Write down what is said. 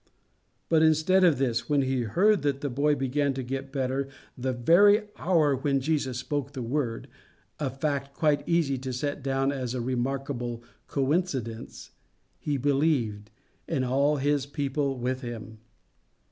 But instead of this, when he heard that the boy began to get better the very hour when Jesus spoke the word a fact quite easy to set down as a remarkable coincidence he believed, and all his people with him.